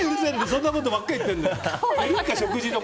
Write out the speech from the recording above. そんなことばっかり言ってんの。